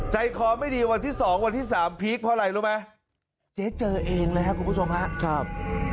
ใจคอไม่ดีวันที่สองวันที่สามพีคเพราะอะไรรู้ไหมเจ๊เจอเองเลยครับคุณผู้ชมครับ